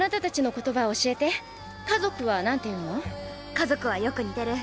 家族はよく似てる。